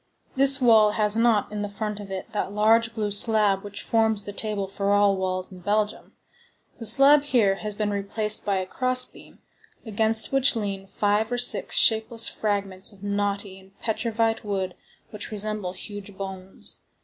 This well has not in front of it that large blue slab which forms the table for all wells in Belgium. The slab has here been replaced by a cross beam, against which lean five or six shapeless fragments of knotty and petrified wood which resemble huge bones.